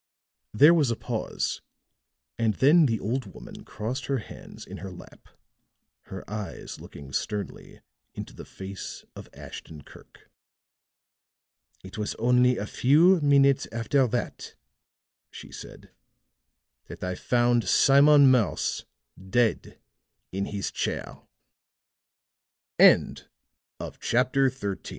There was a pause, and then the old woman crossed her hands in her lap, her eyes looking sternly into the face of Ashton Kirk. "It was only a few minutes after that," she said, "that I found Simon Morse dead in his chair. CHAPTER XIV OKIU WRITES A LETTE